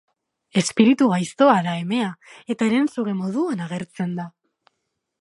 Espiritu gaiztoa da, emea, eta herensuge moduan agertzen da.